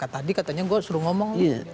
tadi katanya gue suruh ngomong